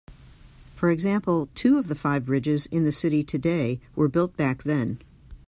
For example, two of the five bridges in the city today were built back then.